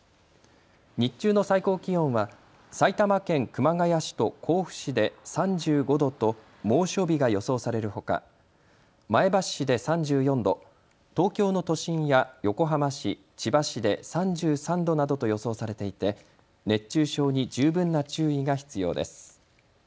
日中の最高気温は埼玉県熊谷市と甲府市で３５度と猛暑日が予想されるほか前橋市で３４度、東京の都心や横浜市、千葉市で３３度などと予想されていて熱中症に十分な注意が必要です。